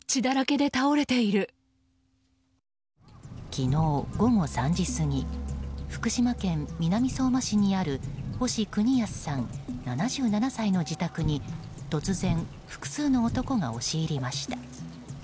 昨日午後３時半過ぎ福島県南相馬市にある星邦康さん、７７歳の自宅に突然、複数の男が押し入りました。